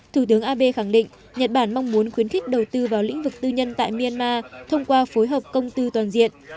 thủ tướng abe khẳng định nhật bản mong muốn khuyến khích đầu tư vào lĩnh vực tư nhân tại myanmar thông qua phối hợp công tư toàn diện